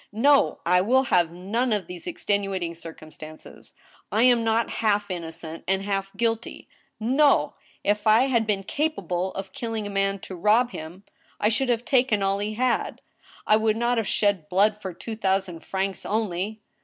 No ! I will have none of these extenuating circumstances ! I am not half innocent and half guilty ! No ! If I had been capable of killing a man to rob him, I should have taken all he had ; I would not have shed blood for two thousand francs only